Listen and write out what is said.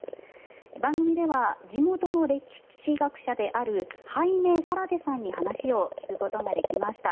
番組では地元の歴史学者であるハイメ・サラテさんに話を聞くことができました。